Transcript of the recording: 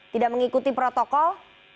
tidak mengikuti protokol